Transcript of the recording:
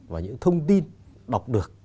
vào những thông tin đọc được